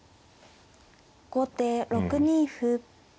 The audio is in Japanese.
後手６二歩。